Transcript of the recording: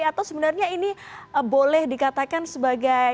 atau sebenarnya ini boleh dikatakan sebagai